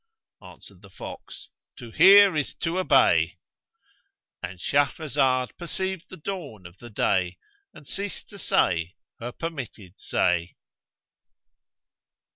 Answered the fox, "To hear is to obey!"—And Shahrazad perceived the dawn of day and ceased to say her permitted say.